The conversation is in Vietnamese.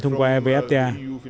thông qua evfta